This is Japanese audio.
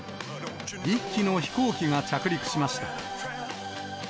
１機の飛行機が着陸しました。